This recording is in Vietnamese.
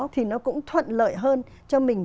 thì nó cũng thuận lợi hơn cho mình